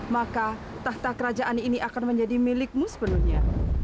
maka tahta kerajaan ini akan menjadi milikmu sepenuhnya